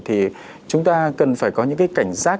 thì chúng ta cần phải có những cái cảnh giác